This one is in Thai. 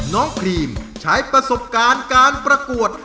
ครีมใช้ประสบการณ์การประกวด